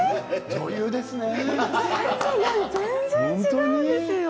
女優ですね。